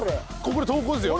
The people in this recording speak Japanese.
これ投稿ですよ。